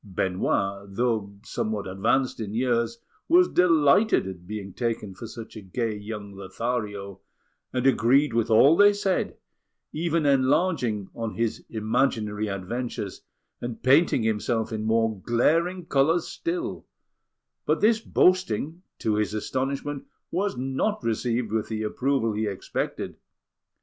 Benoit, though somewhat advanced in years, was delighted at being taken for such a gay young Lothario, and agreed with all they said, even enlarging on his imaginary adventures and painting himself in more glaring colours still; but this boasting, to his astonishment, was not received with the approval he expected.